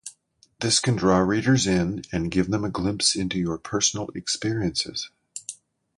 This can draw readers in and give them a glimpse into your personal experiences.